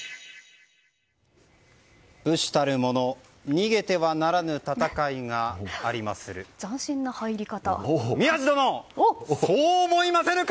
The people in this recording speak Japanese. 武士たるもの逃げてはならぬ戦いがありまする。